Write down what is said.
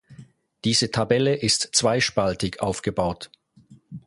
Diese Tabelle ist zweispaltig aufgebaut.